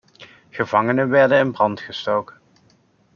Gevangenen werden in brand gestoken.